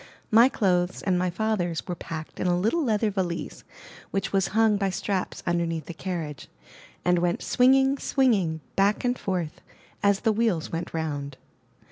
My clothes and my father's were packed in a little leather valise which was hung by straps underneath the carriage, and went swing ing, swinging, back and forth, as the wheels went round.